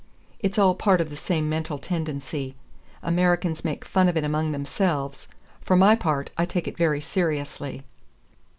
It's all part of the same mental tendency. Americans make fun of it among themselves. For my part, I take it very seriously."